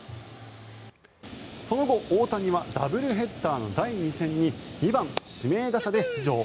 その後、大谷はダブルヘッダーの第２戦に２番指名打者で出場。